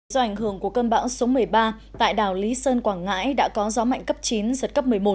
do ảnh hưởng của cơn bão số một mươi ba tại đảo lý sơn quảng ngãi đã có gió mạnh cấp chín giật cấp một mươi một